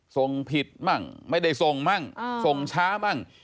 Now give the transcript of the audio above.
ส่งผิดบ้างไม่ได้ส่งบ้างส่งช้าบ้าง